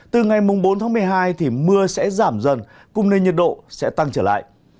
từ ngày bốn một mươi hai mưa sẽ giảm dần cùng nền nhiệt độ sẽ tăng trở lại